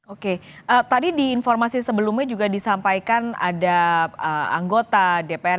oke tadi di informasi sebelumnya juga disampaikan ada anggota dpr